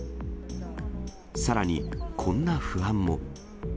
さらに、こんな不安も。